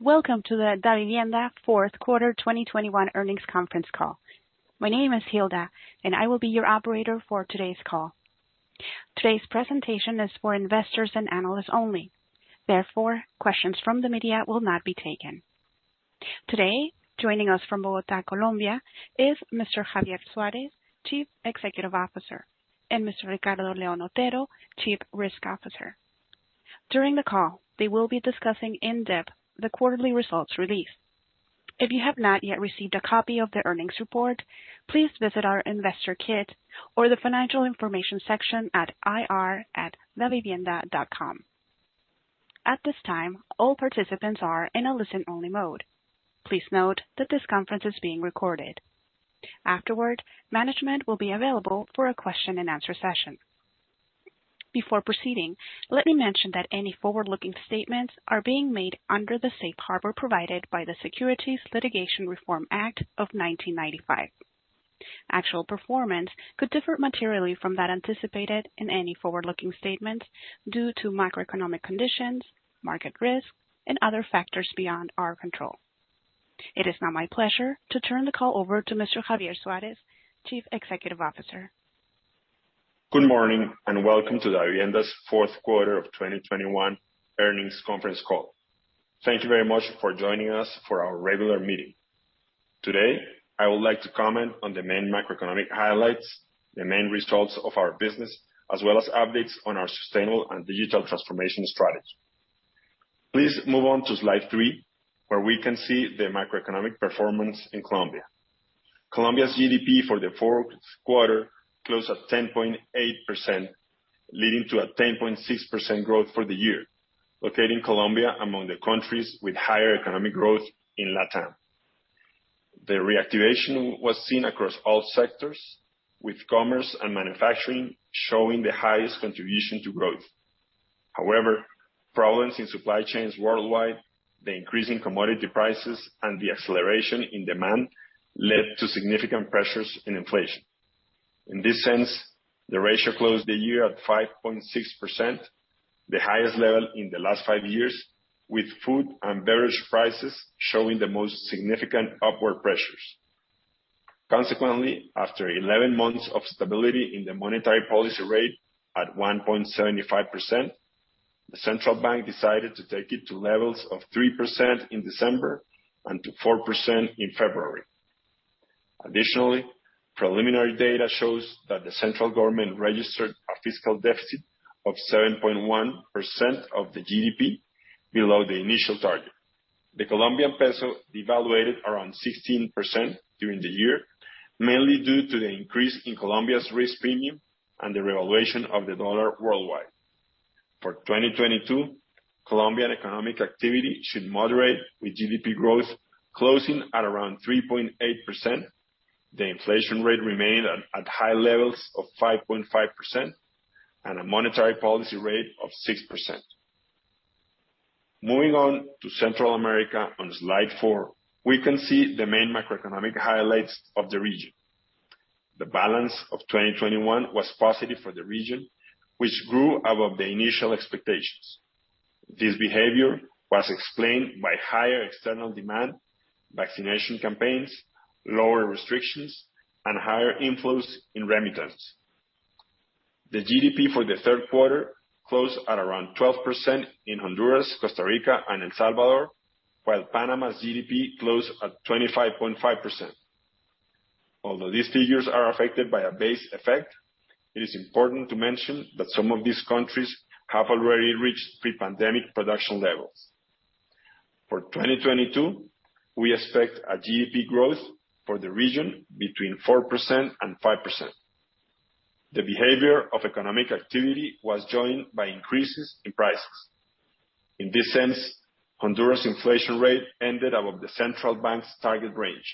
Welcome to the Davivienda fourth quarter 2021 earnings conference call. My name is Hilda, and I will be your operator for today's call. Today's presentation is for investors and analysts only. Therefore, questions from the media will not be taken. Today, joining us from Bogotá, Colombia, is Mr. Javier Suárez, Chief Executive Officer, and Mr. Ricardo León Otero, Chief Risk Officer. During the call, they will be discussing in depth the quarterly results released. If you have not yet received a copy of the earnings report, please visit our investor kit or the financial information section at ir@davivienda.com. At this time, all participants are in a listen-only mode. Please note that this conference is being recorded. Afterward, management will be available for a question-and-answer session. Before proceeding, let me mention that any forward-looking statements are being made under the safe harbor provided by the Private Securities Litigation Reform Act of 1995. Actual performance could differ materially from that anticipated in any forward-looking statement due to macroeconomic conditions, market risks, and other factors beyond our control. It is now my pleasure to turn the call over to Mr. Javier Suárez, Chief Executive Officer. Good morning and welcome to Davivienda's Fourth Quarter of 2021 Earnings Conference Call. Thank you very much for joining us for our regular meeting. Today, I would like to comment on the main macroeconomic highlights, the main results of our business, as well as updates on our sustainable and digital transformation strategy. Please move on to Slide three, where we can see the macroeconomic performance in Colombia. Colombia's GDP for the fourth quarter closed at 10.8%, leading to a 10.6% growth for the year, locating Colombia among the countries with higher economic growth in LatAm. The reactivation was seen across all sectors, with commerce and manufacturing showing the highest contribution to growth. However, problems in supply chains worldwide, the increasing commodity prices, and the acceleration in demand led to significant pressures in inflation. In this sense, the ratio closed the year at 5.6%, the highest level in the last five years, with food and beverage prices showing the most significant upward pressures. Consequently, after 11 months of stability in the monetary policy rate at 1.75%, the central bank decided to take it to levels of 3% in December and to 4% in February. Additionally, preliminary data shows that the central government registered a fiscal deficit of 7.1% of the GDP, below the initial target. The Colombian peso devalued around 16% during the year, mainly due to the increase in Colombia's risk premium and the revaluation of the dollar worldwide. For 2022, Colombian economic activity should moderate, with GDP growth closing at around 3.8%. The inflation rate remained at high levels of 5.5%, and a monetary policy rate of 6%. Moving on to Central America on Slide four, we can see the main macroeconomic highlights of the region. The balance of 2021 was positive for the region, which grew above the initial expectations. This behavior was explained by higher external demand, vaccination campaigns, lower restrictions, and higher inflows in remittance. The GDP for the third quarter closed at around 12% in Honduras, Costa Rica, and El Salvador, while Panama's GDP closed at 25.5%. Although these figures are affected by a base effect, it is important to mention that some of these countries have already reached pre-pandemic production levels. For 2022, we expect a GDP growth for the region between 4% and 5%. The behavior of economic activity was joined by increases in prices. In this sense, Honduras' inflation rate ended above the central bank's target range.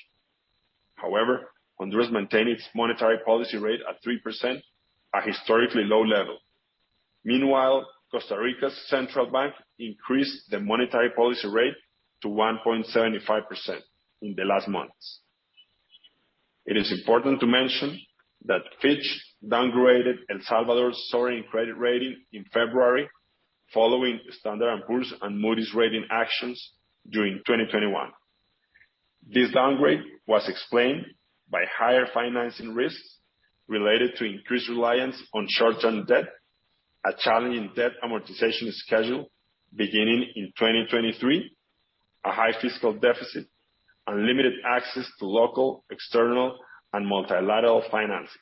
However, Honduras maintained its monetary policy rate at 3%, a historically low level. Meanwhile, Costa Rica's central bank increased the monetary policy rate to 1.75% in the last months. It is important to mention that Fitch downgraded El Salvador's sovereign credit rating in February, following Standard & Poor's and Moody's rating actions during 2021. This downgrade was explained by higher financing risks related to increased reliance on short-term debt, a challenging debt amortization schedule beginning in 2023, a high fiscal deficit, unlimited access to local, external, and multilateral financing.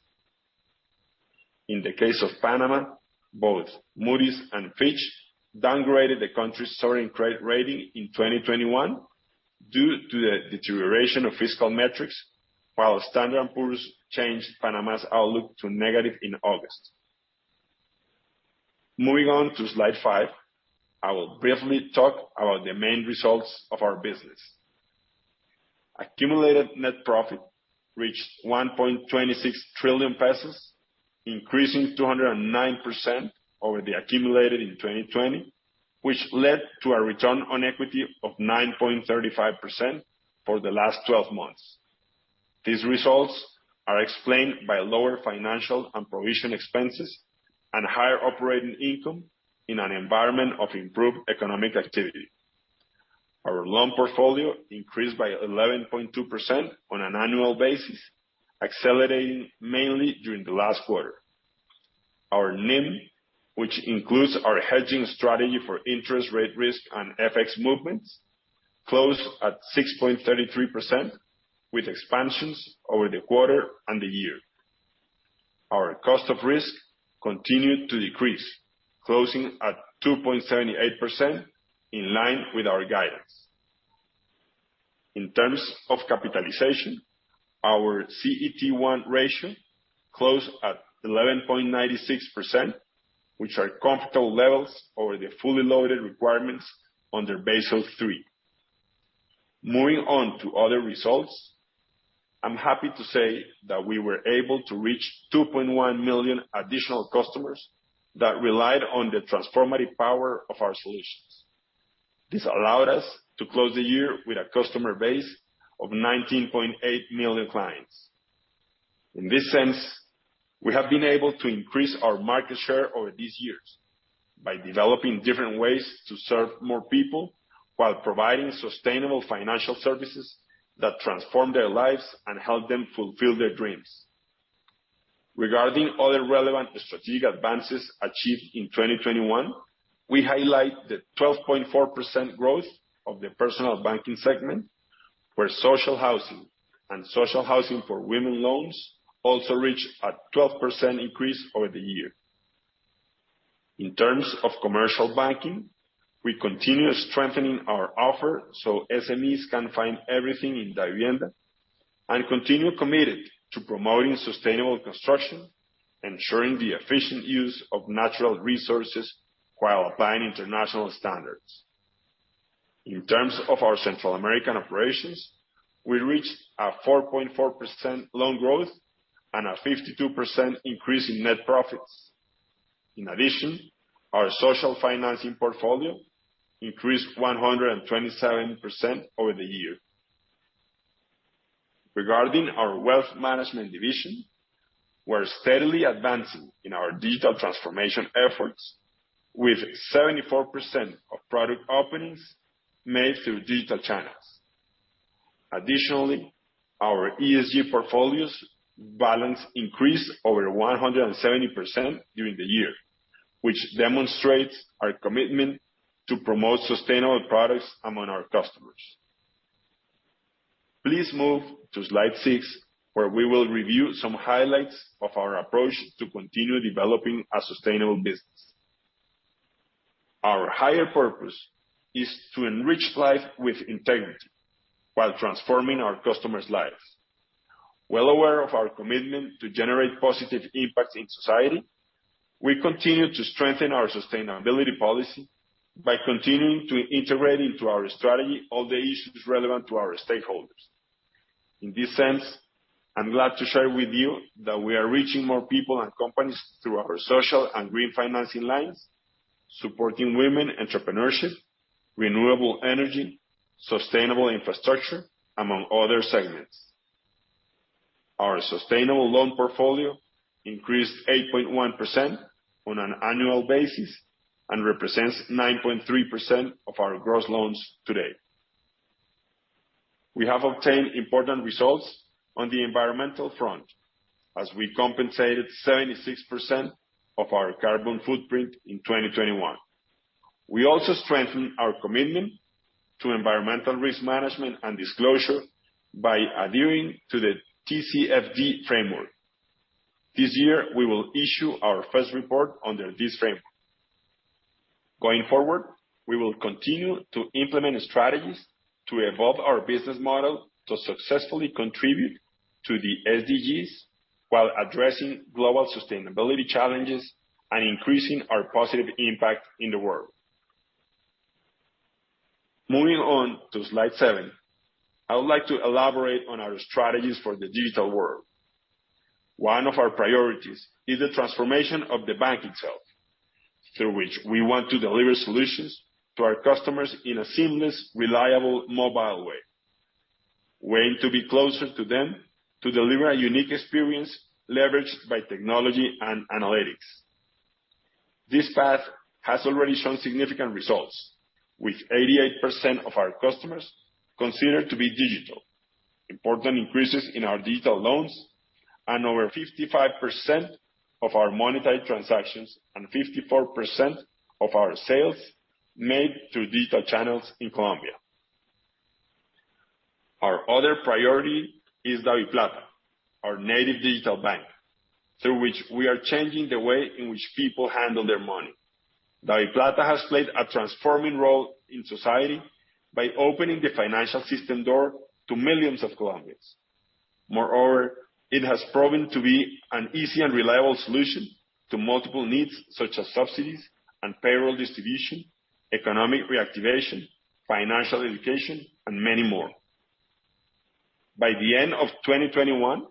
In the case of Panama, both Moody's and Fitch downgraded the country's sovereign credit rating in 2021 due to the deterioration of fiscal metrics, while Standard & Poor's changed Panama's outlook to negative in August. Moving on to Slide five, I will briefly talk about the main results of our business. Accumulated net profit reached COP 1.26 trillion, increasing 209% over the accumulated in 2020, which led to a return on equity of 9.35% for the last 12 months. These results are explained by lower financial and provision expenses and higher operating income in an environment of improved economic activity. Our loan portfolio increased by 11.2% on an annual basis, accelerating mainly during the last quarter. Our NIM, which includes our hedging strategy for interest rate risk and FX movements, closed at 6.33% with expansions over the quarter and the year. Our cost of risk continued to decrease, closing at 2.78% in line with our guidance. In terms of capitalization, our CET1 ratio closed at 11.96%, which are comfortable levels over the fully loaded requirements under Basel III. Moving on to other results, I'm happy to say that we were able to reach 2.1 million additional customers that relied on the transformative power of our solutions. This allowed us to close the year with a customer base of 19.8 million clients. In this sense, we have been able to increase our market share over these years by developing different ways to serve more people while providing sustainable financial services that transform their lives and help them fulfill their dreams. Regarding other relevant strategic advances achieved in 2021, we highlight the 12.4% growth of the personal banking segment, where social housing and social housing for women loans also reached a 12% increase over the year. In terms of commercial banking, we continue strengthening our offer so SMEs can find everything in Davivienda, and continue committed to promoting sustainable construction, ensuring the efficient use of natural resources while applying international standards. In terms of our Central American operations, we reached a 4.4% loan growth and a 52% increase in net profits. In addition, our social financing portfolio increased 127% over the year. Regarding our wealth management division, we're steadily advancing in our digital transformation efforts with 74% of product openings made through digital channels. Additionally, our ESG portfolios balance increased over 170% during the year, which demonstrates our commitment to promote sustainable products among our customers. Please move to Slide six, where we will review some highlights of our approach to continue developing a sustainable business. Our higher purpose is to enrich life with integrity while transforming our customers' lives. Well aware of our commitment to generate positive impact in society, we continue to strengthen our sustainability policy by continuing to integrate into our strategy all the issues relevant to our stakeholders. In this sense, I'm glad to share with you that we are reaching more people and companies through our social and green financing lines, supporting women entrepreneurship, renewable energy, sustainable infrastructure, among other segments. Our sustainable loan portfolio increased 8.1% on an annual basis and represents 9.3% of our gross loans today. We have obtained important results on the environmental front as we compensated 76% of our carbon footprint in 2021. We also strengthened our commitment to environmental risk management and disclosure by adhering to the TCFD framework. This year, we will issue our first report under this framework. Going forward, we will continue to implement strategies to evolve our business model to successfully contribute to the SDGs while addressing global sustainability challenges and increasing our positive impact in the world. Moving on to slide seven, I would like to elaborate on our strategies for the digital world. One of our priorities is the transformation of the bank itself, through which we want to deliver solutions to our customers in a seamless, reliable, mobile way to be closer to them to deliver a unique experience leveraged by technology and analytics. This path has already shown significant results, with 88% of our customers considered to be digital, important increases in our digital loans, and over 55% of our monetary transactions and 54% of our sales made through digital channels in Colombia. Our other priority is DaviPlata, our native digital bank, through which we are changing the way in which people handle their money. DaviPlata has played a transforming role in society by opening the financial system door to millions of Colombians. Moreover, it has proven to be an easy and reliable solution to multiple needs such as subsidies and payroll distribution, economic reactivation, financial education, and many more. By the end of 2021,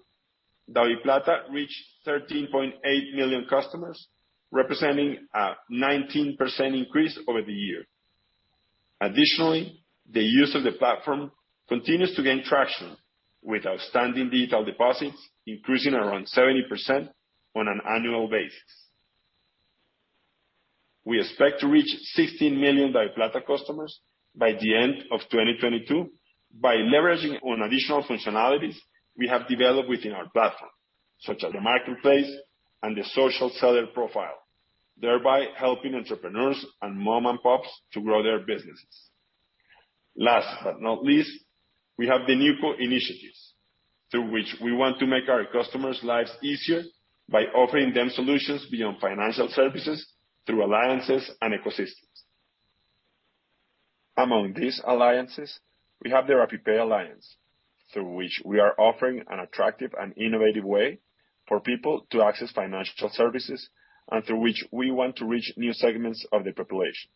DaviPlata reached 13.8 million customers, representing a 19% increase over the year. Additionally, the use of the platform continues to gain traction, with outstanding digital deposits increasing around 70% on an annual basis. We expect to reach 16 million DaviPlata customers by the end of 2022 by leveraging on additional functionalities we have developed within our platform, such as the marketplace and the social seller profile, thereby helping entrepreneurs and mom-and-pops to grow their businesses. Last but not least, we have the new co-initiatives, through which we want to make our customers' lives easier by offering them solutions beyond financial services through alliances and ecosystems. Among these alliances, we have the RappiPay alliance, through which we are offering an attractive and innovative way for people to access financial services, and through which we want to reach new segments of the population.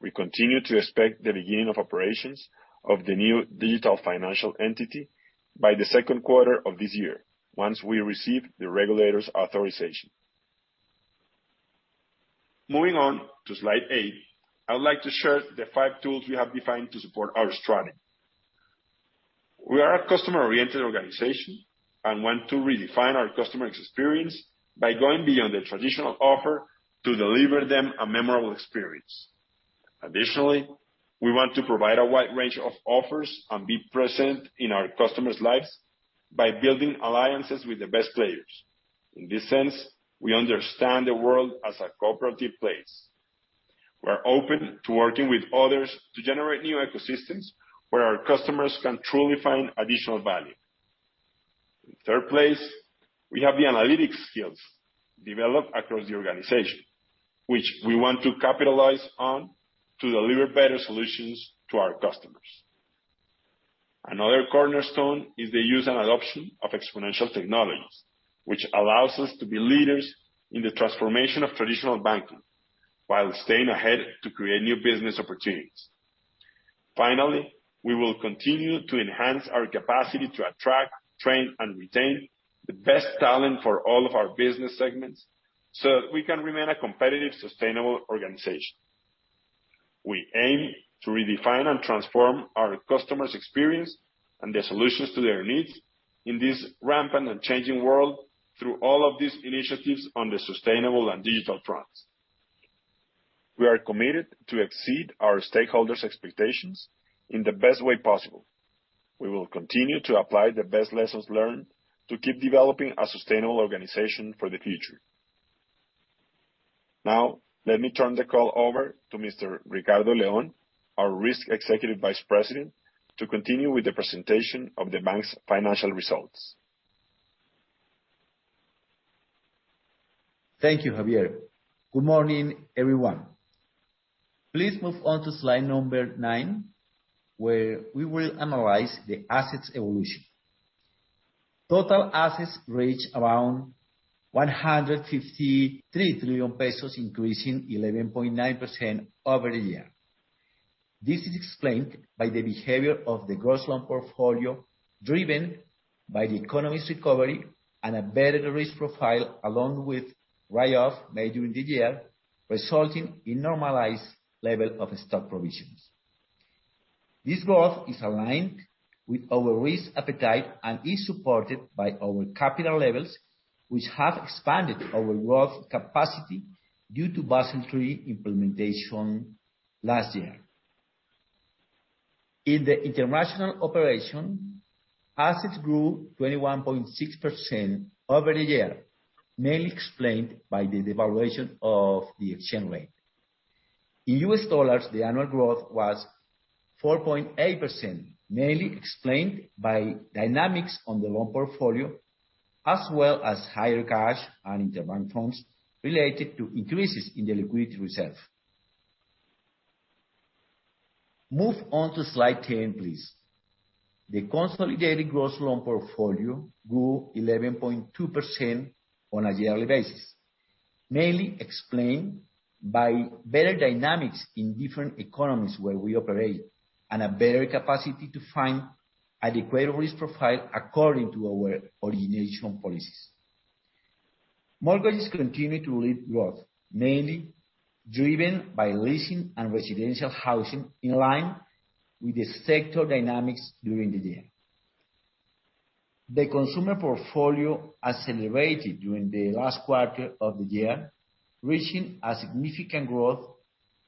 We continue to expect the beginning of operations of the new digital financial entity by the second quarter of this year, once we receive the regulator's authorization. Moving on to Slide eight, I would like to share the five tools we have defined to support our strategy. We are a customer-oriented organization and want to redefine our customers' experience by going beyond the traditional offer to deliver them a memorable experience. Additionally, we want to provide a wide range of offers and be present in our customers' lives by building alliances with the best players. In this sense, we understand the world as a cooperative place. We're open to working with others to generate new ecosystems where our customers can truly find additional value. In third place, we have the analytics skills developed across the organization, which we want to capitalize on to deliver better solutions to our customers. Another cornerstone is the use and adoption of exponential technologies, which allows us to be leaders in the transformation of traditional banking while staying ahead to create new business opportunities. Finally, we will continue to enhance our capacity to attract, train, and retain the best talent for all of our business segments so that we can remain a competitive, sustainable organization. We aim to redefine and transform our customers' experience and the solutions to their needs in this rapidly changing world through all of these initiatives on the sustainable and digital fronts. We are committed to exceed our stakeholders' expectations in the best way possible. We will continue to apply the best lessons learned to keep developing a sustainable organization for the future. Now, let me turn the call over to Mr. Ricardo León, our Risk Executive Vice President, to continue with the presentation of the bank's financial results. Thank you, Javier. Good morning, everyone. Please move on to slide number 9, where we will analyze the assets evolution. Total assets reached around COP 153 trillion, increasing 11.9% over the year. This is explained by the behavior of the gross loan portfolio, driven by the economy's recovery and a better risk profile, along with write-off made during the year, resulting in normalized level of stock provisions. This growth is aligned with our risk appetite and is supported by our capital levels, which have expanded our growth capacity due to Basel III implementation last year. In the international operation, assets grew 21.6% over the year, mainly explained by the devaluation of the exchange rate. In U.S. dollars, the annual growth was 4.8%, mainly explained by dynamics on the loan portfolio, as well as higher cash and interbank funds related to increases in the liquidity reserve. Move on to Slide 10, please. The consolidated gross loan portfolio grew 11.2% on a yearly basis, mainly explained by better dynamics in different economies where we operate and a better capacity to find adequate risk profile according to our origination policies. Mortgages continued to lead growth, mainly driven by leasing and residential housing in line with the sector dynamics during the year. The consumer portfolio accelerated during the last quarter of the year, reaching a significant growth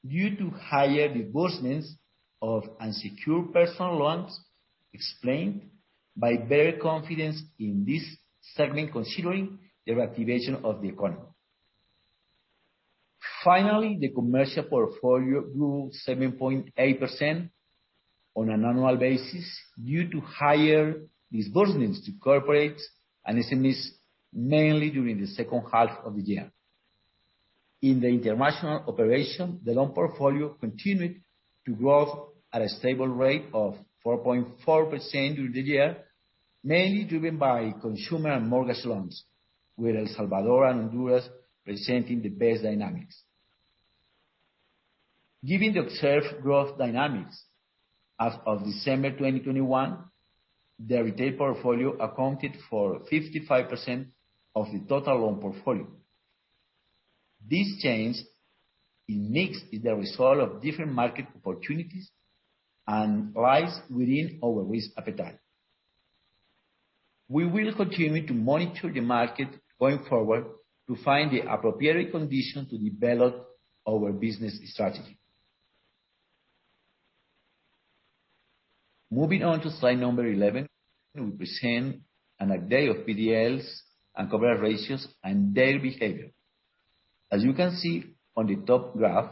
due to higher disbursements of unsecured personal loans, explained by better confidence in this segment, considering the reactivation of the economy. Finally, the commercial portfolio grew 7.8% on an annual basis due to higher disbursements to corporates and SMEs, mainly during the second half of the year. In the international operation, the loan portfolio continued to grow at a stable rate of 4.4% during the year, mainly driven by consumer and mortgage loans, with El Salvador and Honduras presenting the best dynamics. Given the observed growth dynamics, as of December 2021, the retail portfolio accounted for 55% of the total loan portfolio. This change in mix is the result of different market opportunities and lies within our risk appetite. We will continue to monitor the market going forward to find the appropriate condition to develop our business strategy. Moving on to slide 11, we present an update of PDLs and coverage ratios and their behavior. As you can see on the top graph,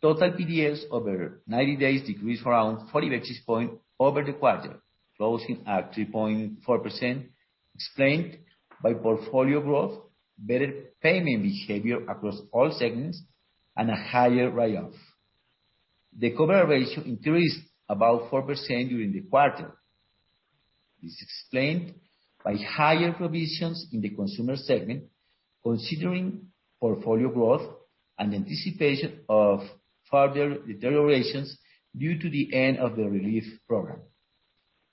total PDLs over 90 days decreased around 40 basis points over the quarter, closing at 3.4%, explained by portfolio growth, better payment behavior across all segments, and a higher write-off. The coverage ratio increased about 4% during the quarter. This is explained by higher provisions in the consumer segment, considering portfolio growth and anticipation of further deteriorations due to the end of the relief program.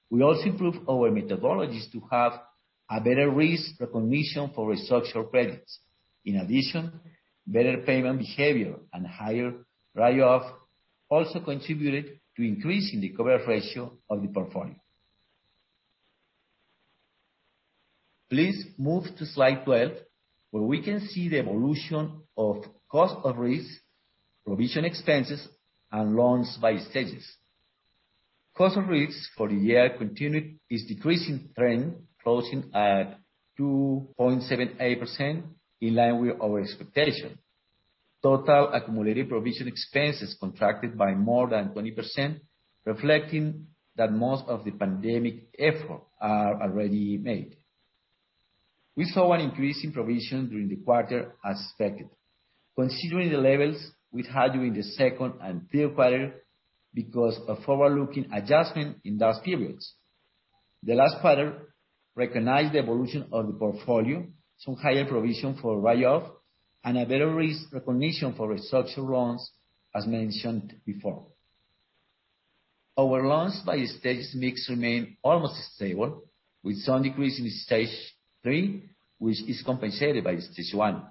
We also improved our methodologies to have a better risk recognition for restructured credits. In addition, better payment behavior and higher write-off also contributed to increasing the coverage ratio of the portfolio. Please move to Slide 12, where we can see the evolution of cost of risk, provision expenses, and loans by stages. Cost of risks for the year continued its decreasing trend, closing at 2.78%, in line with our expectation. Total accumulated provision expenses contracted by more than 20%, reflecting that most of the pandemic effort are already made. We saw an increase in provision during the quarter as expected, considering the levels we had during the second and third quarter because of forward-looking adjustment in those periods. The last quarter recognized the evolution of the portfolio, some higher provision for write-off, and a better risk recognition for restructured loans, as mentioned before. Our loans by stages mix remain almost stable, with some decrease in stage three, which is compensated by stage one.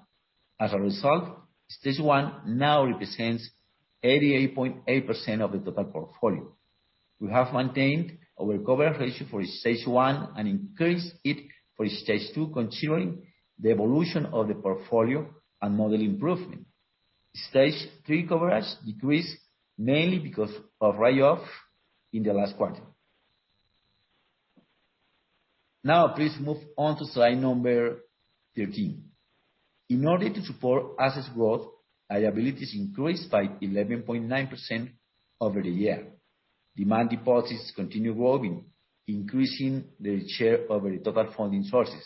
As a result, stage one now represents 88.8% of the total portfolio. We have maintained our coverage ratio for stage one and increased it for stage two, considering the evolution of the portfolio and model improvement. Stage three coverage decreased mainly because of write-off in the last quarter. Now please move on to Slide 13. In order to support assets growth, liabilities increased by 11.9% over the year. Demand deposits continue growing, increasing the share of the total funding sources.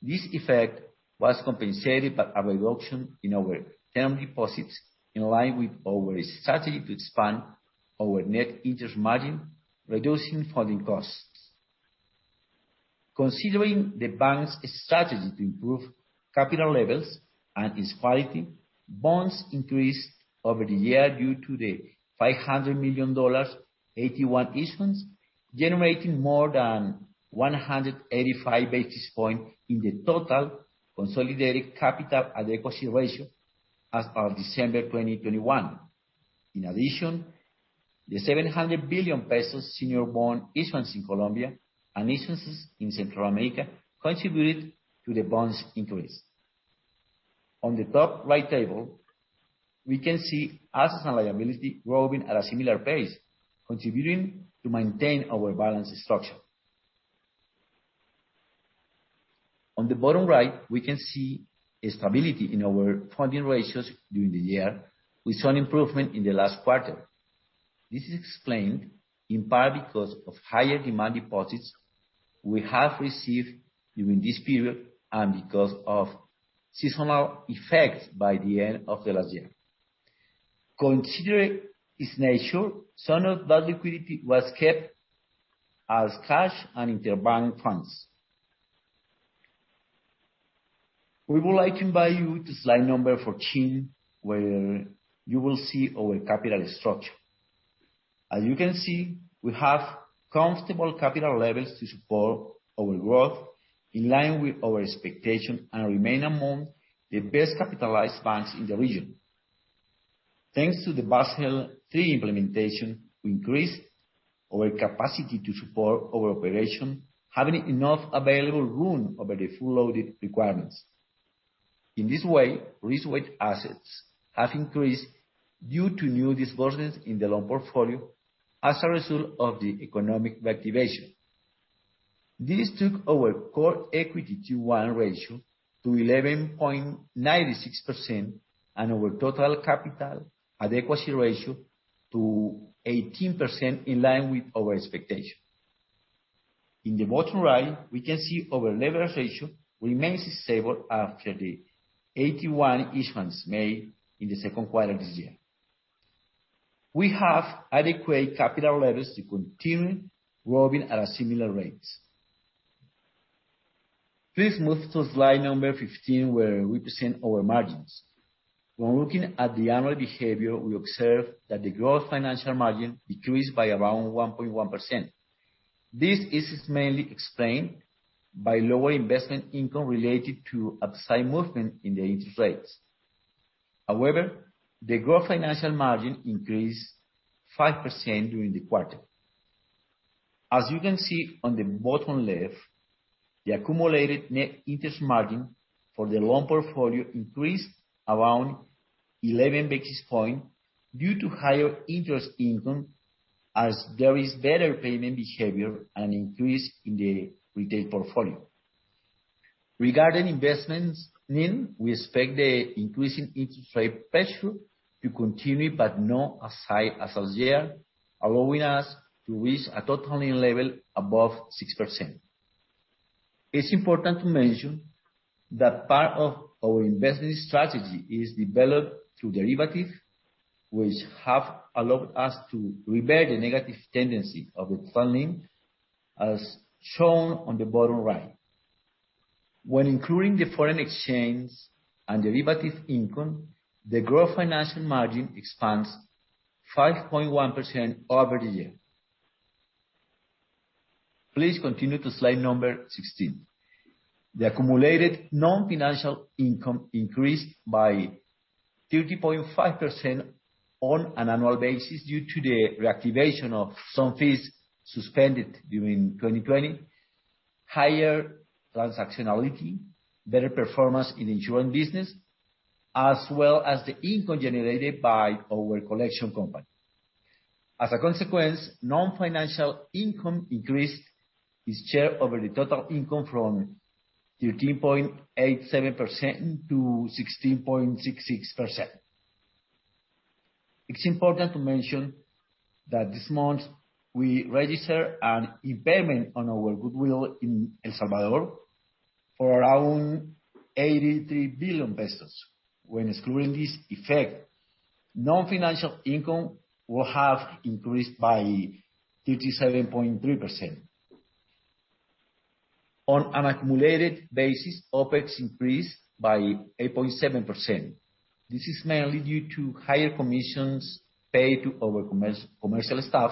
This effect was compensated by a reduction in our term deposits, in line with our strategy to expand our net interest margin, reducing funding costs. Considering the bank's strategy to improve capital levels and its quality, bonds increased over the year due to the $500 million AT1 issuance, generating more than 185 basis points in the total consolidated capital adequacy ratio as of December 2021. In addition, the COP 700 billion senior bond issuance in Colombia and instances in Central America contributed to the bonds increase. On the top right table, we can see assets and liabilities growing at a similar pace, contributing to maintain our balance structure. On the bottom right, we can see a stability in our funding ratios during the year, with some improvement in the last quarter. This is explained in part because of higher demand deposits we have received during this period and because of seasonal effects by the end of the last year. Considering its nature, some of that liquidity was kept as cash and interbank funds. We would like to invite you to Slide number 14, where you will see our capital structure. As you can see, we have comfortable capital levels to support our growth in line with our expectation, and remain among the best capitalized banks in the region. Thanks to the Basel III implementation, we increased our capacity to support our operation, having enough available room over the fully loaded requirements. In this way, risk-weighted assets have increased due to new disbursements in the loan portfolio as a result of the economic reactivation. This took our core equity tier one ratio to 11.96%, and our total capital adequacy ratio to 18%, in line with our expectation. In the bottom right, we can see our leverage ratio remains stable after the AT1 issuance made in the second quarter this year. We have adequate capital levels to continue growing at a similar rate. Please move to Slide number 15, where we present our margins. When looking at the annual behavior, we observe that the gross financial margin decreased by around 1.1%. This is mainly explained by lower investment income related to upside movement in the interest rates. However, the gross financial margin increased 5% during the quarter. As you can see on the bottom left, the accumulated net interest margin for the loan portfolio increased around 11 basis points due to higher interest income, as there is better payment behavior and increase in the retail portfolio. Regarding investments, we expect the increasing interest rate pressure to continue, but not as high as last year, allowing us to reach a total loan level above 6%. It's important to mention that part of our investment strategy is developed through derivatives, which have allowed us to reverse the negative tendency of the funding, as shown on the bottom right. When including the foreign exchange and derivative income, the gross financial margin expands 5.1% over the year. Please continue to Slide 16. The accumulated non-financial income increased by 30.5% on an annual basis due to the reactivation of some fees suspended during 2020, higher transactionality, better performance in the insurance business, as well as the income generated by our collection company. As a consequence, non-financial income increased its share over the total income from 13.87% to 16.66%. It's important to mention that this month we registered an impairment on our goodwill in El Salvador for around COP 83 billion. When excluding this effect, non-financial income will have increased by 37.3%. On an accumulated basis, OpEx increased by 8.7%. This is mainly due to higher commissions paid to our commercial staff,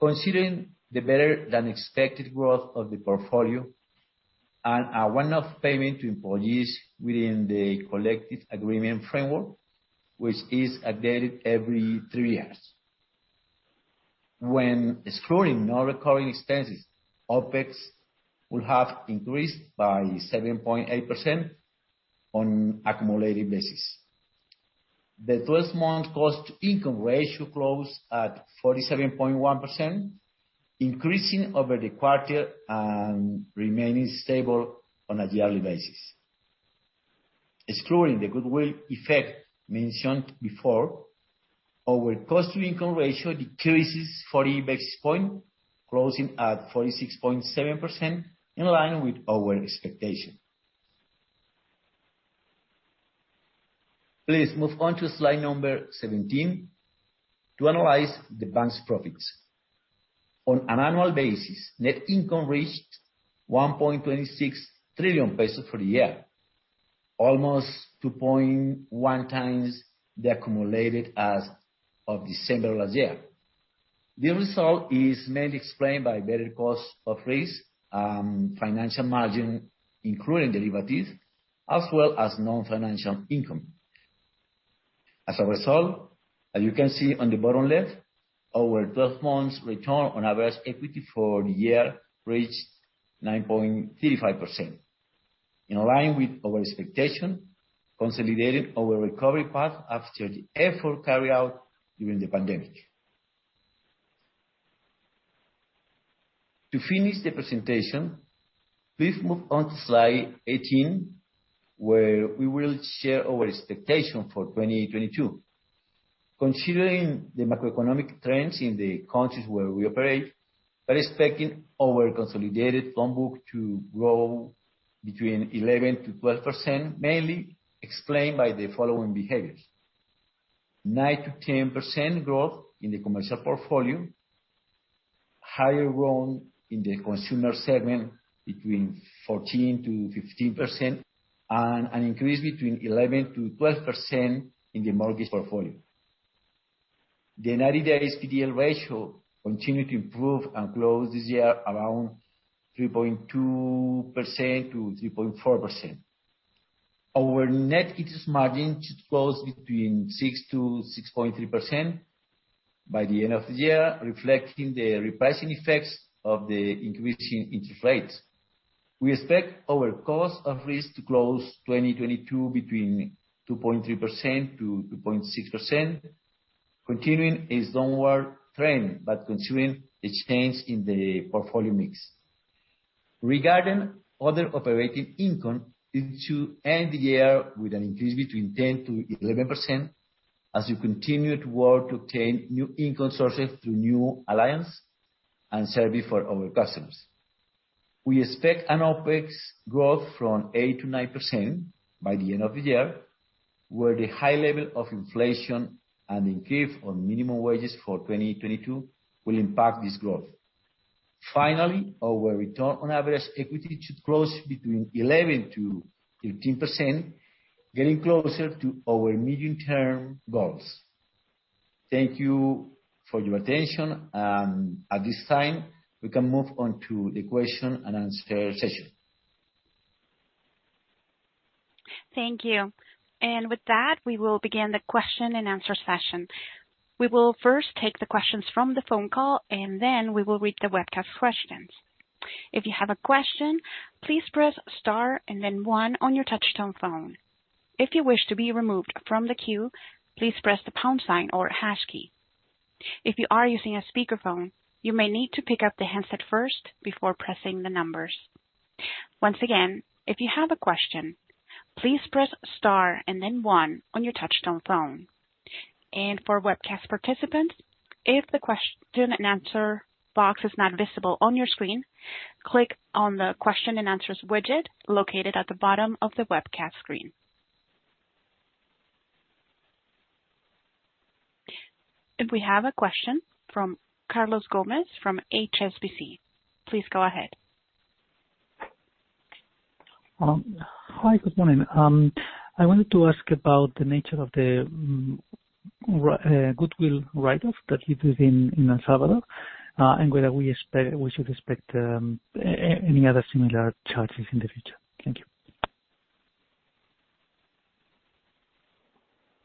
considering the better than expected growth of the portfolio and a one-off payment to employees within the collective agreement framework, which is updated every three years. When excluding non-recurring expenses, OpEx will have increased by 7.8% on accumulated basis. The 12-month cost-to-income ratio closed at 47.1%, increasing over the quarter and remaining stable on a yearly basis. Excluding the goodwill effect mentioned before, our cost-to-income ratio decreases 40 basis points, closing at 46.7%, in line with our expectation. Please move on to Slide number 17 to analyze the bank's profits. On an annual basis, net income reached COP 1.26 trillion for the year, almost 2.1 times the accumulated as of December last year. The result is mainly explained by better cost of risk, financial margin, including derivatives, as well as non-financial income. As a result, as you can see on the bottom left, our twelve months return on average equity for the year reached 9.35%, in line with our expectation, consolidating our recovery path after the effort carried out during the pandemic. To finish the presentation, please move on to Slide 18, where we will share our expectation for 2022. Considering the macroeconomic trends in the countries where we operate, we're expecting our consolidated loan book to grow between 11%-12%, mainly explained by the following behaviors: 9%-10% growth in the commercial portfolio, higher growth in the consumer segment between 14%-15%, and an increase between 11%-12% in the mortgage portfolio. The 90-day PDL ratio continued to improve and close this year around 3.2%-3.4%. Our net interest margin should close between 6%-6.3% by the end of the year, reflecting the repricing effects of the increasing interest rates. We expect our cost of risk to close 2022 between 2.3%-2.6%, continuing its downward trend, but considering the change in the portfolio mix. Regarding other operating income, it should end the year with an increase between 10%-11%, as we continue to work to obtain new income sources through new alliance and service for our customers. We expect an OpEx growth from 8%-9% by the end of the year, where the high level of inflation and increase in minimum wages for 2022 will impact this growth. Finally, our return on average equity should close between 11%-13%, getting closer to our medium-term goals. Thank you for your attention. At this time, we can move on to the question and answer session. Thank you. With that, we will begin the question and answer session. We will first take the questions from the phone call, and then we will read the webcast questions. If you have a question, please press star and then one on your touchtone phone. If you wish to be removed from the queue, please press the pound sign or hash key. If you are using a speakerphone, you may need to pick up the handset first before pressing the numbers. Once again, if you have a question, please press star and then one on your touchtone phone. For webcast participants, if the question and answer box is not visible on your screen, click on the question and answers widget located at the bottom of the webcast screen. We have a question from Carlos Gomez-Lopez from HSBC. Please go ahead. Hi, good morning. I wanted to ask about the nature of the goodwill write-off that you did in El Salvador, and whether we should expect any other similar charges in the future. Thank you.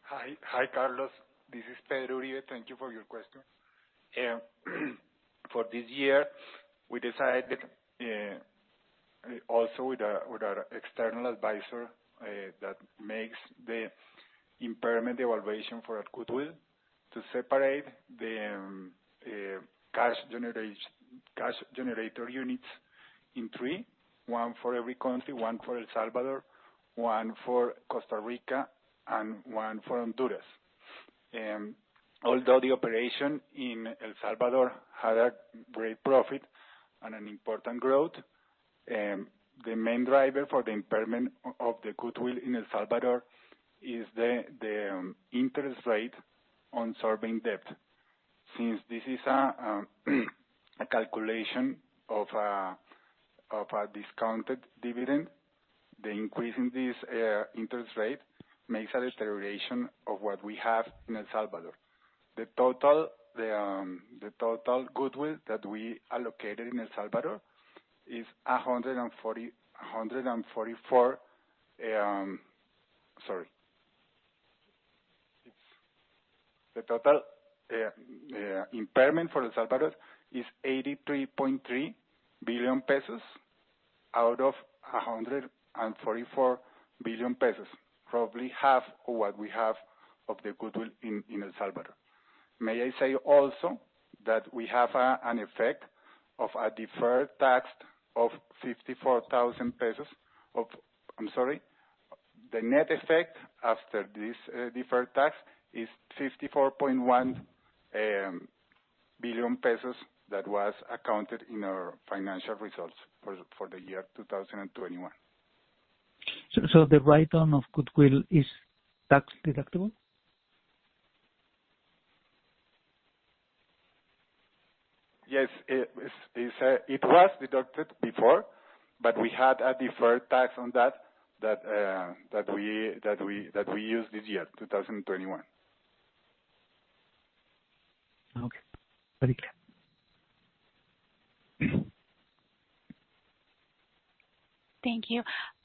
Hi. Hi, Carlos. This is Pedro Uribe. Thank you for your question. For this year, we decided also with our external advisor that makes the impairment evaluation for our goodwill to separate the cash generator units in three, one for every country, one for El Salvador, one for Costa Rica, and one for Honduras. Although the operation in El Salvador had a great profit and an important growth, the main driver for the impairment of the goodwill in El Salvador is the interest rate on sovereign debt. Since this is a calculation of a discounted dividend, the increase in this interest rate makes a deterioration of what we have in El Salvador. The total goodwill that we allocated in El Salvador is COP 144 billion. The total impairment for El Salvador is COP 83.3 billion out of COP 144 billion, probably half of what we have of the goodwill in El Salvador. May I say also that we have an effect of a deferred tax. The net effect after this deferred tax is COP 54.1 billion that was accounted in our financial results for the year 2021. The write-down of goodwill is tax deductible? Yes. It was deducted before, but we had a deferred tax on that that we used this year, 2021. Okay. Very clear. Thank you.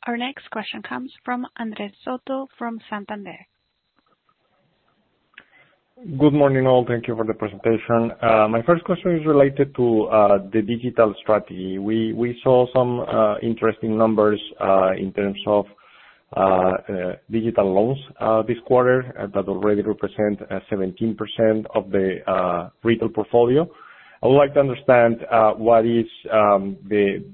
Our next question comes from Andres Soto from Santander. Good morning, all. Thank you for the presentation. My first question is related to the digital strategy. We saw some interesting numbers in terms of digital loans this quarter that already represent 17% of the retail portfolio. I would like to understand what is the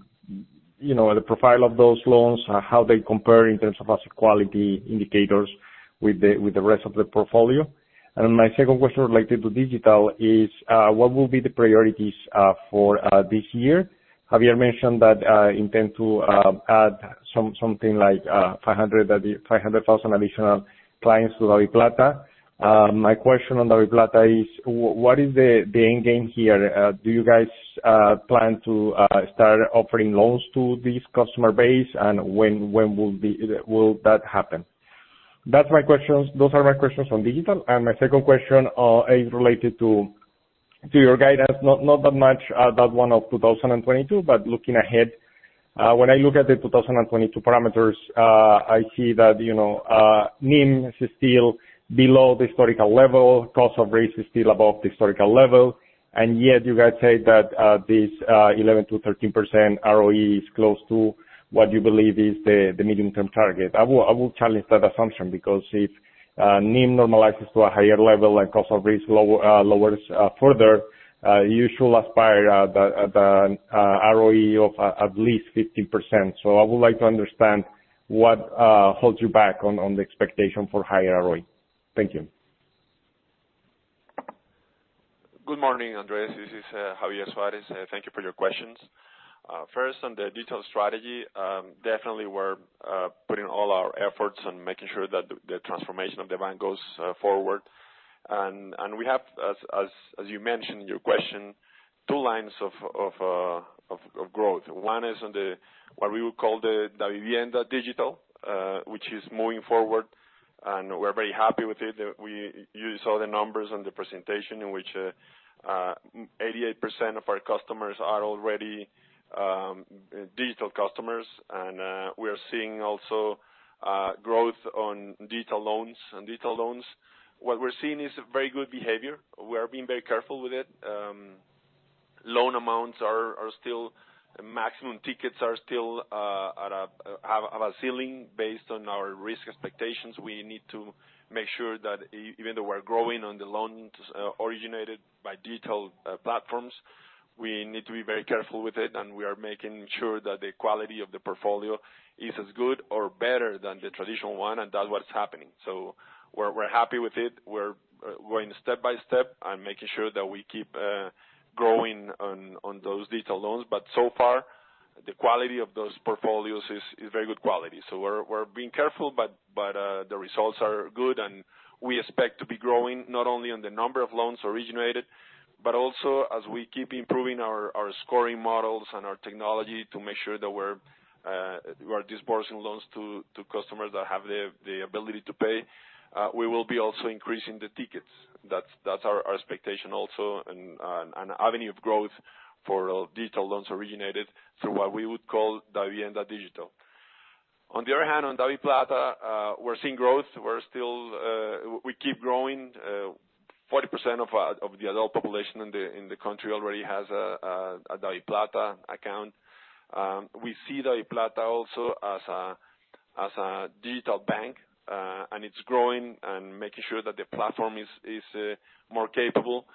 profile of those loans, you know, how they compare in terms of asset quality indicators with the rest of the portfolio. My second question related to digital is what will be the priorities for this year? Javier mentioned that you intend to add something like 500,000 additional clients to DaviPlata. My question on DaviPlata is what is the end game here? Do you guys plan to start offering loans to this customer base? When will that happen? That's my questions, those are my questions on digital. My second question is related to your guidance, not that much that one of 2022, but looking ahead. When I look at the 2022 parameters, I see that, you know, NIM is still below the historical level, cost of risk is still above the historical level, and yet you guys say that this 11%-13% ROE is close to what you believe is the medium-term target. I will challenge that assumption because if NIM normalizes to a higher level and cost of risk lowers further, you should aspire to the ROE of at least 15%. I would like to understand what holds you back on the expectation for higher ROE. Thank you. Good morning, Andrés. This is Javier Suárez. Thank you for your questions. First on the digital strategy, definitely we're putting all our efforts on making sure that the transformation of the bank goes forward. We have, as you mentioned in your question Two lines of growth. One is on the, what we would call the Davivienda Digital, which is moving forward, and we're very happy with it. You saw the numbers on the presentation, in which, 88% of our customers are already digital customers. We are seeing also growth on digital loans. On digital loans, what we're seeing is very good behavior. We are being very careful with it. Loan amounts are still. Maximum tickets are still at a ceiling based on our risk expectations. We need to make sure that even though we're growing on the loans originated by digital platforms, we need to be very careful with it. We are making sure that the quality of the portfolio is as good or better than the traditional one, and that's what's happening. We're happy with it. We're going step by step and making sure that we keep growing on those digital loans. So far, the quality of those portfolios is very good quality. We're being careful, but the results are good. We expect to be growing not only on the number of loans originated, but also as we keep improving our scoring models and our technology to make sure that we're disbursing loans to customers that have the ability to pay, we will be also increasing the tickets. That's our expectation also, and an avenue of growth for digital loans originated through what we would call Davivienda Digital. On the other hand, on DaviPlata, we're seeing growth. We keep growing. 40% of the adult population in the country already has a DaviPlata account. We see DaviPlata also as a digital bank, and it's growing and making sure that the platform is more capable.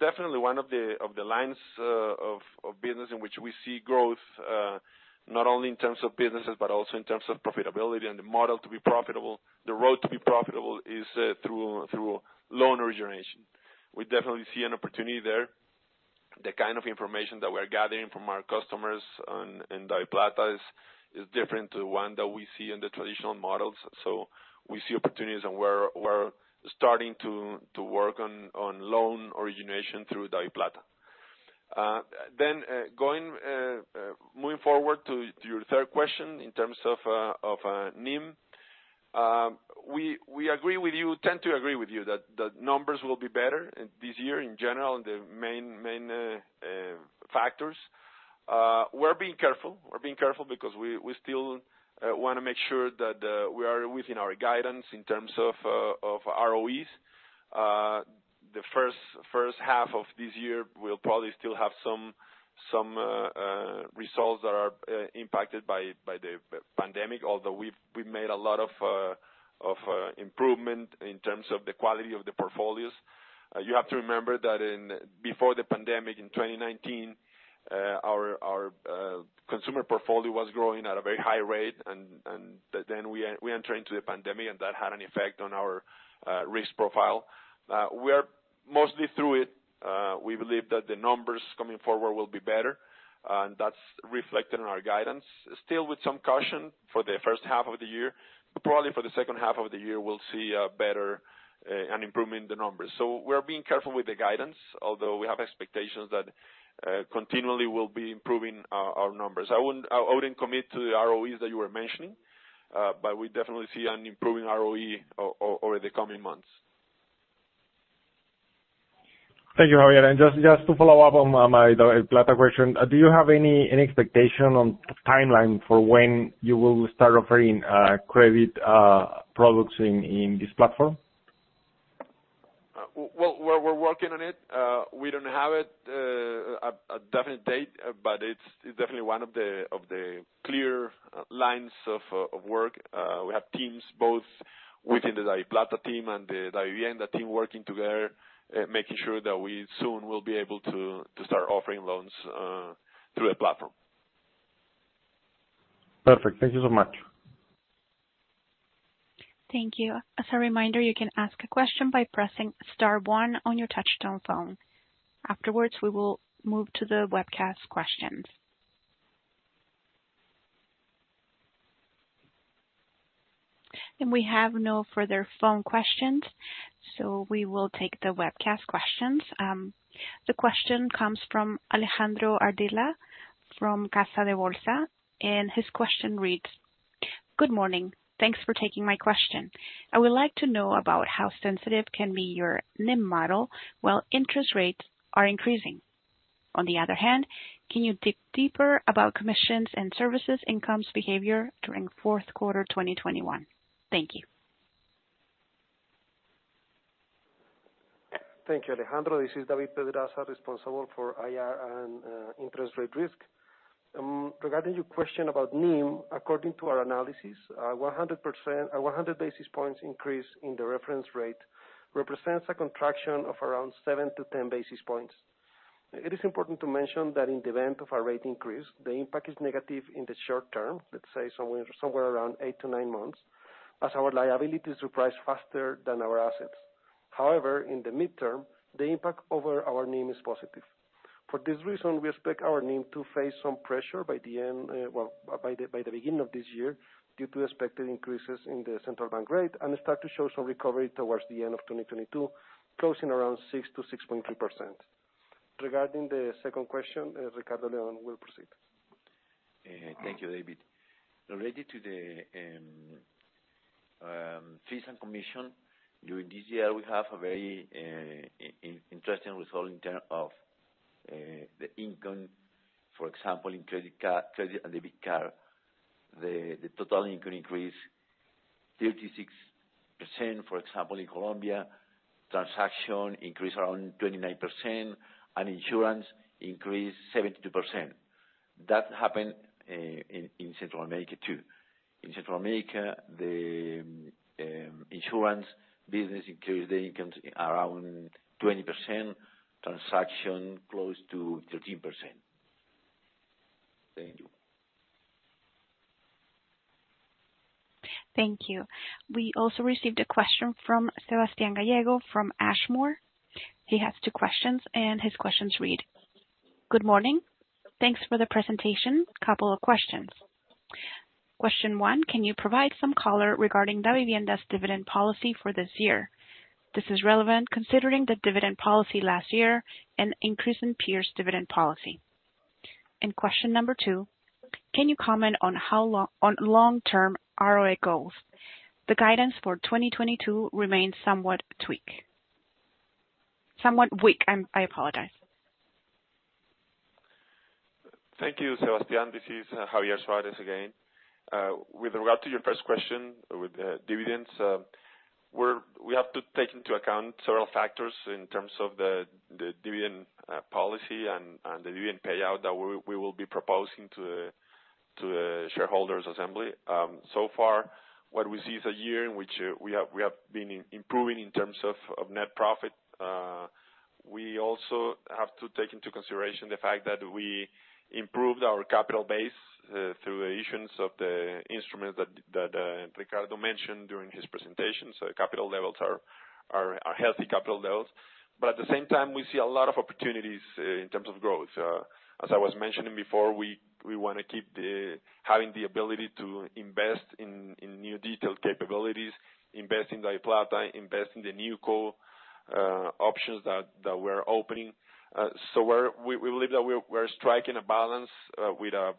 Definitely one of the lines of business in which we see growth, not only in terms of businesses, but also in terms of profitability and the model to be profitable, the road to be profitable is through loan origination. We definitely see an opportunity there. The kind of information that we're gathering from our customers in DaviPlata is different to one that we see in the traditional models. We see opportunities, and we're starting to work on loan origination through DaviPlata. Moving forward to your third question, in terms of NIM, we tend to agree with you that the numbers will be better this year in general, the main factors. We're being careful because we still wanna make sure that we are within our guidance in terms of ROEs. The first half of this year, we'll probably still have some results that are impacted by the pandemic, although we've made a lot of improvement in terms of the quality of the portfolios. You have to remember that before the pandemic in 2019, our consumer portfolio was growing at a very high rate and but then we entered into the pandemic, and that had an effect on our risk profile. We are mostly through it. We believe that the numbers coming forward will be better, and that's reflected in our guidance. Still with some caution for the first half of the year, but probably for the second half of the year, we'll see a better improvement in the numbers. We're being careful with the guidance, although we have expectations that continually we'll be improving our numbers. I wouldn't commit to the ROEs that you were mentioning, but we definitely see an improving ROE over the coming months. Thank you, Javier. Just to follow up on my DaviPlata question, do you have any expectation on timeline for when you will start offering credit products in this platform? We're working on it. We don't have a definite date, but it's definitely one of the clear lines of work. We have teams both within the DaviPlata team and the Davivienda team working together, making sure that we soon will be able to start offering loans through the platform. Perfect. Thank you so much. Thank you. As a reminder, you can ask a question by pressing star one on your touchtone phone. Afterwards, we will move to the webcast questions. We have no further phone questions, so we will take the webcast questions. The question comes from Alejandro Ardila from Casa de Bolsa, and his question reads: Good morning. Thanks for taking my question. I would like to know about how sensitive can be your NIM model while interest rates are increasing. On the other hand, can you dig deeper about commissions and services income's behavior during fourth quarter 2021? Thank you. Thank you, Alejandro. This is David Pedraza, responsible for IR and interest rate risk. Regarding your question about NIM, according to our analysis, a 100 basis points increase in the reference rate represents a contraction of around 7-10 basis points. It is important to mention that in the event of a rate increase, the impact is negative in the short term, let's say somewhere around 8-9 months, as our liabilities reprice faster than our assets. However, in the midterm, the impact over our NIM is positive. For this reason, we expect our NIM to face some pressure by the beginning of this year, due to expected increases in the central bank rate and start to show some recovery towards the end of 2022, closing around 6%-6.3%. Regarding the second question, Ricardo León will proceed. Thank you, David. Related to the fees and commission, during this year, we have a very interesting result in terms of the income. For example, in credit and debit card, the total income increased 36%. For example, in Colombia, transaction increased around 29%, and insurance increased 72%. That happened in Central America, too. In Central America, the insurance business increased the income around 20%, transaction close to 13%. Thank you. Thank you. We also received a question from Sebastián Gallego from Ashmore. He has two questions, and his questions read: Good morning. Thanks for the presentation. Couple of questions. Question one, can you provide some color regarding Davivienda's dividend policy for this year? This is relevant considering the dividend policy last year and increase in peers' dividend policy. Question number two, can you comment on how long, on long-term ROE goals? The guidance for 2022 remains somewhat weak. I apologize. Thank you, Sebastián. This is Javier Suárez again. With regard to your first question with dividends, we have to take into account several factors in terms of the dividend policy and dividend payout that we will be proposing to the shareholders' assembly. So far, what we see is a year in which we have been improving in terms of net profit. We also have to take into consideration the fact that we improved our capital base through issuance of the instruments that Ricardo León mentioned during his presentation. Capital levels are healthy capital levels. At the same time, we see a lot of opportunities in terms of growth. As I was mentioning before, we wanna keep having the ability to invest in new digital capabilities, invest in DaviPlata, invest in the new options that we're opening. We believe that we're striking a balance with a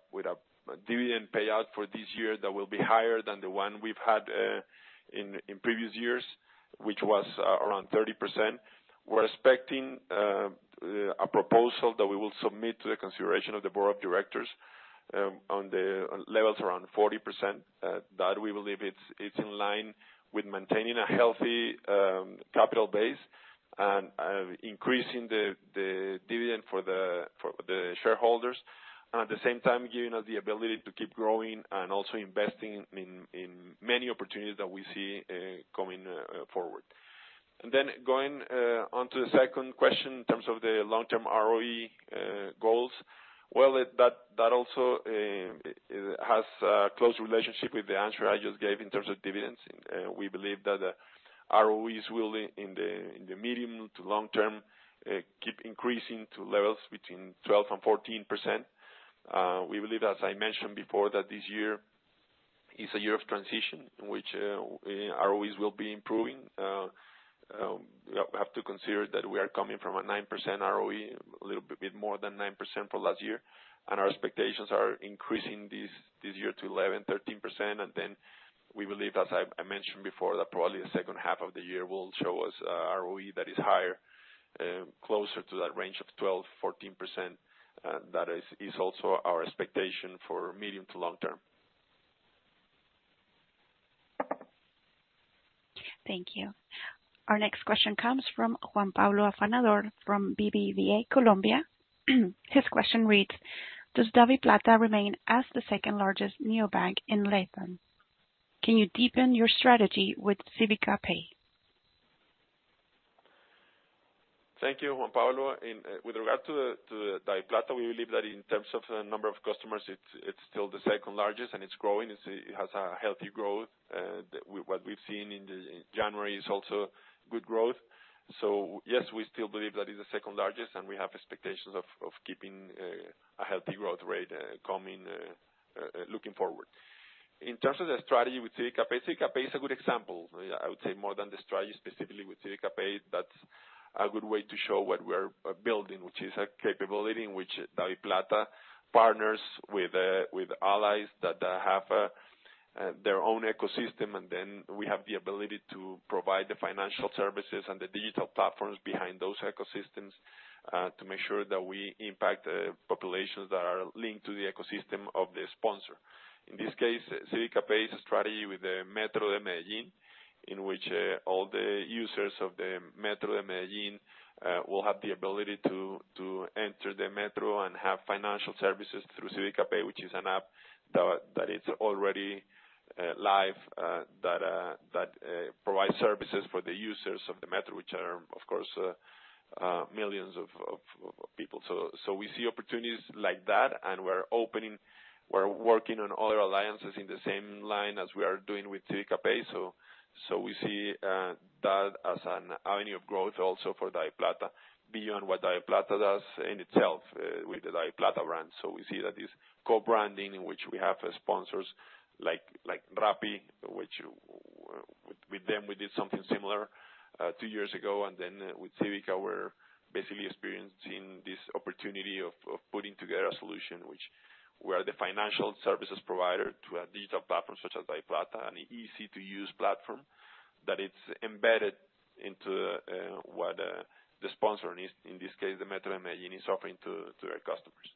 dividend payout for this year that will be higher than the one we've had in previous years, which was around 30%. We're expecting a proposal that we will submit to the consideration of the board of directors on the levels around 40% that we believe it's in line with maintaining a healthy capital base and increasing the dividend for the shareholders. At the same time, giving us the ability to keep growing and also investing in many opportunities that we see coming forward. Going onto the second question, in terms of the long-term ROE goals. Well, that also has a close relationship with the answer I just gave in terms of dividends. We believe that ROEs will, in the medium to long term, keep increasing to levels between 12% and 14%. We believe, as I mentioned before, that this year is a year of transition, which ROEs will be improving. We have to consider that we are coming from a 9% ROE, a little bit more than 9% for last year, and our expectations are increasing this year to 11-13%. We believe, as I mentioned before, that probably the second half of the year will show us a ROE that is higher, closer to that range of 12%-14%. That is also our expectation for medium to long term. Thank you. Our next question comes from Juan Pablo Afanador from BBVA Colombia. His question reads: Does DaviPlata remain as the second largest neobank in LatAm? Can you deepen your strategy with Cívica Pay? Thank you, Juan Pablo. With regard to DaviPlata, we believe that in terms of the number of customers, it's still the second largest, and it's growing. It has a healthy growth. What we've seen in January is also good growth. Yes, we still believe that is the second largest, and we have expectations of keeping a healthy growth rate going forward. In terms of the strategy with Cívica Pay, Cívica Pay is a good example. I would say more than the strategy specifically with Cívica Pay, that's a good way to show what we're building, which is a capability in which DaviPlata partners with allies that have their own ecosystem. Then we have the ability to provide the financial services and the digital platforms behind those ecosystems to make sure that we impact populations that are linked to the ecosystem of the sponsor. In this case, Cívica Pay's strategy with the Metro de Medellín, in which all the users of the Metro de Medellín will have the ability to enter the metro and have financial services through Cívica Pay, which is an app that is already live that provides services for the users of the Metro, which are, of course, millions of people. We see opportunities like that, and we're working on other alliances in the same line as we are doing with Cívica Pay. We see that as an avenue of growth also for DaviPlata, beyond what DaviPlata does in itself, with the DaviPlata brand. We see that this co-branding in which we have sponsors like Rappi, which With them, we did something similar two years ago, and then with Cívica, we're basically experiencing this opportunity of putting together a solution where the financial services provider to a digital platform such as DaviPlata, an easy-to-use platform that it's embedded into what the sponsor needs, in this case, the Metro de Medellín is offering to their customers.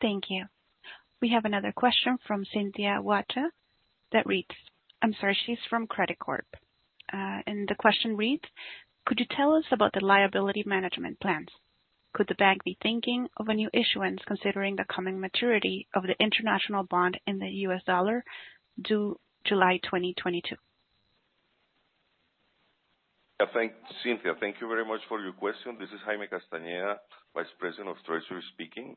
Thank you. We have another question from Cynthia Valer that reads. I'm sorry, she's from Credicorp. The question reads: Could you tell us about the liability management plans? Could the bank be thinking of a new issuance considering the coming maturity of the international bond in the U.S. dollar due July 2022? Cynthia, thank you very much for your question. This is Jaime Castañeda, Vice President of Treasury, speaking.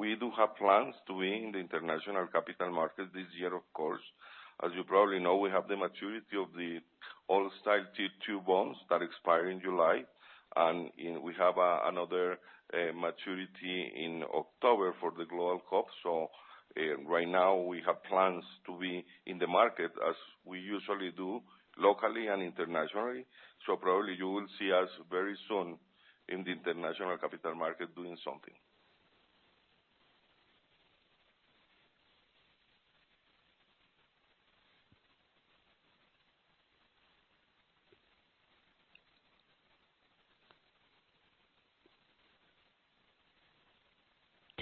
We do have plans to be in the international capital market this year, of course. As you probably know, we have the maturity of the old-style T2 bonds that expire in July. We have another maturity in October for the global COP bond. Right now we have plans to be in the market as we usually do, locally and internationally. Probably you will see us very soon in the international capital market doing something.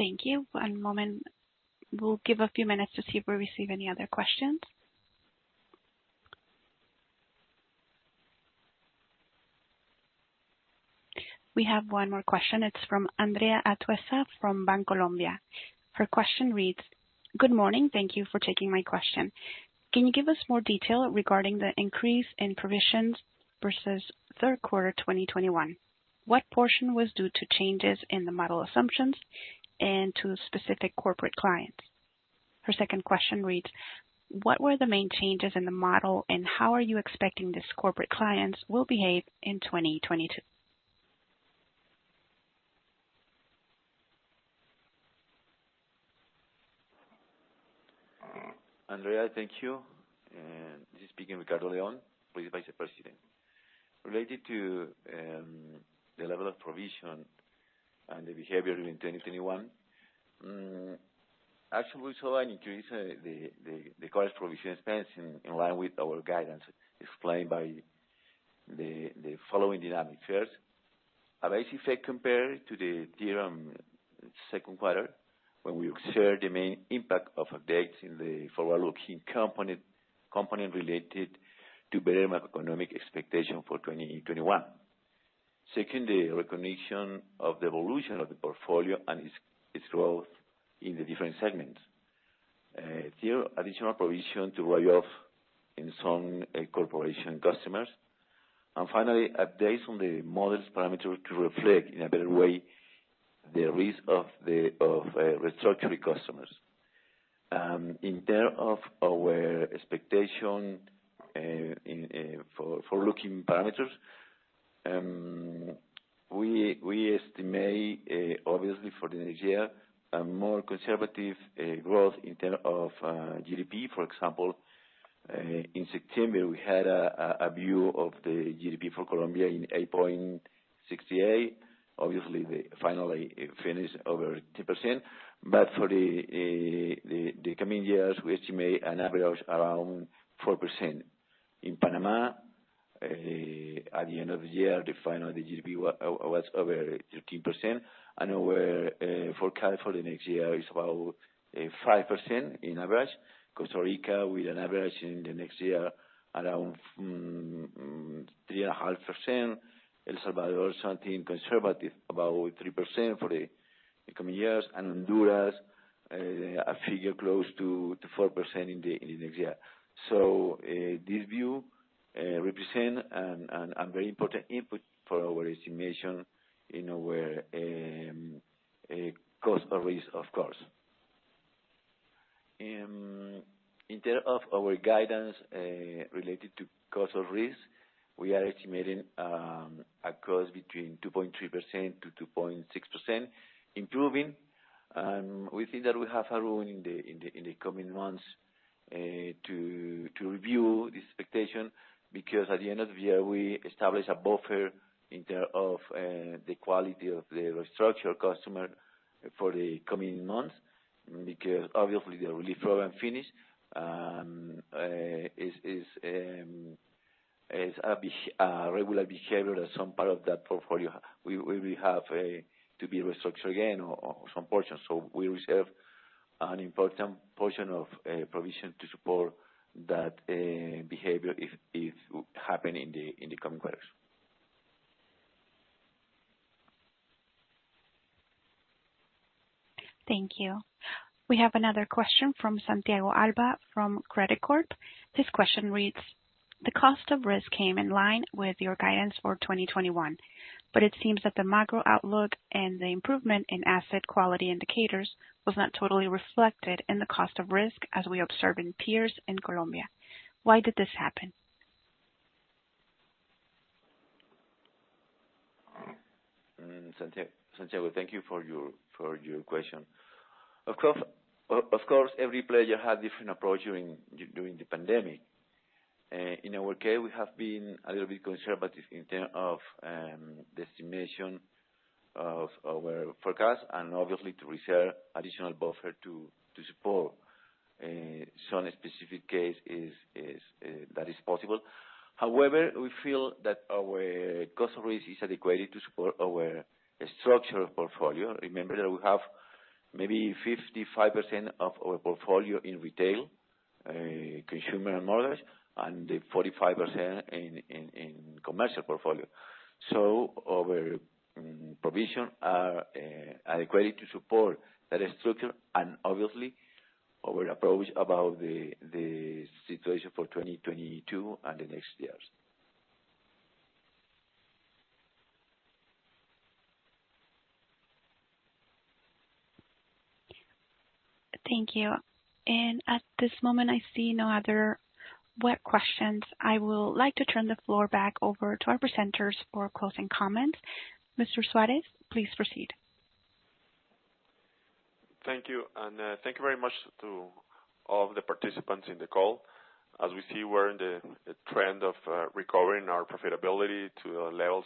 Thank you. One moment. We'll give a few minutes to see if we receive any other questions. We have one more question. It's from Andrea Atuesta from Bancolombia. Her question reads: Good morning. Thank you for taking my question. Can you give us more detail regarding the increase in provisions versus third quarter 2021? What portion was due to changes in the model assumptions and to specific corporate clients? Her second question reads: What were the main changes in the model, and how are you expecting these corporate clients will behave in 2022? Andrea, thank you. This is Ricardo León, Vice President. Related to the level of provision and the behavior during 2021, actually we saw an increase in the current provision expense in line with our guidance explained by the following dynamic. First, a base effect compared to the second quarter, when we observed the main impact of updates in the forward-looking component related to better macroeconomic expectation for 2021. Second, the recognition of the evolution of the portfolio and its growth in the different segments. Third, additional provision to write off in some corporate customers. Finally, updates on the models parameter to reflect in a better way the risk of the restructuring customers. In terms of our expectations, in forward-looking parameters, we estimate obviously for the next year a more conservative growth in terms of GDP. For example, in September, we had a view of the GDP for Colombia in 8.68%. Obviously, it finally finished over 10%. For the coming years, we estimate an average around 4%. In Panama, at the end of the year, the final GDP was over 13%, and our forecast for the next year is about 5% on average. Costa Rica with an average in the next year around 3.5%. El Salvador, something conservative, about 3% for the coming years. Honduras, a figure close to 4% in the next year. This view represents a very important input for our estimation in our cost of risk, of course. In terms of our guidance related to cost of risk, we are estimating a cost between 2.3%-2.6%, improving. We think that we have a room in the coming months to review the expectation, because at the end of the year, we establish a buffer in terms of the quality of the restructure customer for the coming months, because obviously the relief program finish. It is a regular behavior that some part of that portfolio we have to be restructured again or some portions. We reserve an important portion of provision to support that behavior if happen in the coming quarters. Thank you. We have another question from Santiago Alba from Credicorp Capital. This question reads: The cost of risk came in line with your guidance for 2021, but it seems that the macro outlook and the improvement in asset quality indicators was not totally reflected in the cost of risk as we observe in peers in Colombia. Why did this happen? Santiago, thank you for your question. Of course, every player had different approach during the pandemic. In our case, we have been a little bit conservative in terms of the estimation of our forecast and obviously to reserve additional buffer to support some specific cases, that is possible. However, we feel that our cost of risk is adequate to support our structural portfolio. Remember that we have maybe 55% of our portfolio in retail consumer models, and 45% in commercial portfolio. Our provisions are adequate to support that structure and obviously our approach about the situation for 2022 and the next years. Thank you. At this moment, I see no other web questions. I will like to turn the floor back over to our presenters for closing comments. Mr. Suárez, please proceed. Thank you. Thank you very much to all of the participants in the call. As we see, we're in the trend of recovering our profitability to levels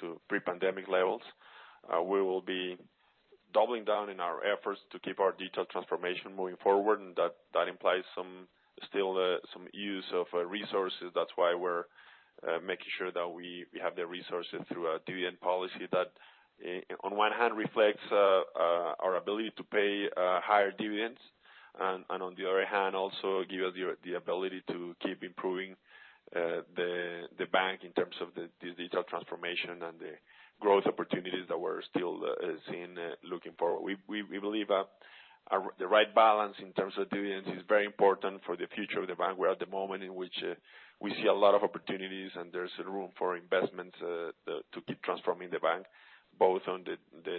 to pre-pandemic levels. We will be doubling down in our efforts to keep our digital transformation moving forward, and that implies some still some use of resources. That's why we're making sure that we have the resources through our dividend policy that on one hand reflects our ability to pay higher dividends, and on the other hand, also give us the ability to keep improving the bank in terms of the digital transformation and the growth opportunities that we're still seeing looking forward. We believe the right balance in terms of dividends is very important for the future of the bank. We're at the moment in which we see a lot of opportunities, and there's room for investments to keep transforming the bank, both on the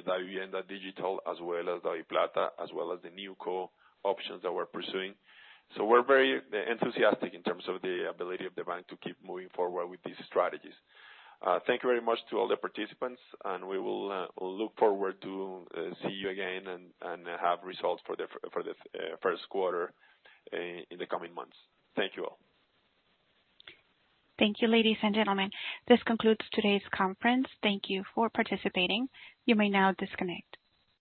Davivienda Digital, as well as DaviPlata, as well as the new co options that we're pursuing. We're very enthusiastic in terms of the ability of the bank to keep moving forward with these strategies. Thank you very much to all the participants, and we will look forward to see you again and have results for the first quarter in the coming months. Thank you all. Thank you, ladies and gentlemen. This concludes today's conference. Thank you for participating. You may now disconnect.